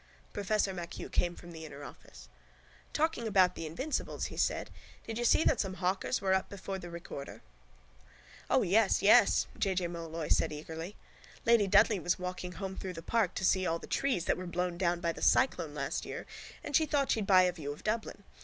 Professor MacHugh came from the inner office. —Talking about the invincibles, he said, did you see that some hawkers were up before the recorder... —O yes, J. J. O'Molloy said eagerly. Lady Dudley was walking home through the park to see all the trees that were blown down by that cyclone last year and thought she'd buy a view of Dublin.